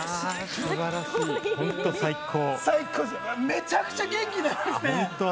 めちゃくちゃ元気でますね。